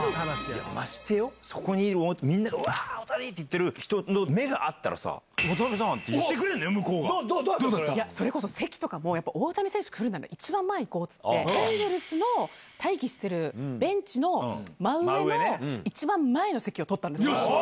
ましてよ、そこにみんなが、うわー、大谷って言ってる人と目が合ったら、渡辺さんって言ってくれるんいや、それこそ、席とかもやっぱり大谷選手来るなら、一番前行こうっていって、エンジェルスの待機してるベンチの真上の一番前の席を取ったんですよ。